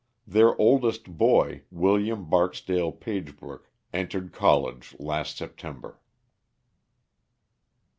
Their oldest boy, William Barksdale Pagebrook, entered college last September.